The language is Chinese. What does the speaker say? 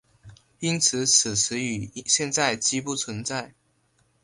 因此此词语现在几不存在。